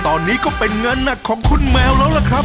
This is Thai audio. ตอนนี้ก็เป็นงานหนักของคุณแมวแล้วล่ะครับ